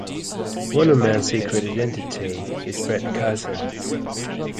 Wonder Man's secret identity is Fred Carson.